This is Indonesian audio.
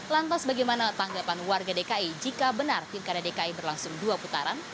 lantas bagaimana tanggapan warga dki jika benar pilkada dki berlangsung dua putaran